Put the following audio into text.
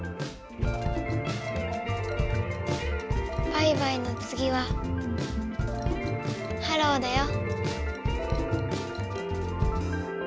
バイバイのつぎはハローだよ。